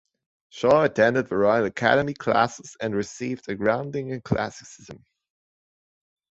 Shaw attended the Royal Academy classes and received a grounding in classicism.